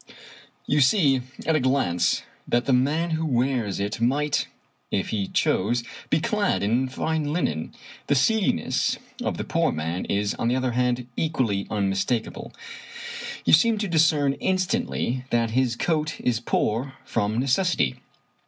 You see at a glance that the man who wears it might, if he chose, be clad in fine linen. The seediness of the poor man is, on the other hand, equally unmistakable. You seem to discern instantly that his coat is poor from necessity.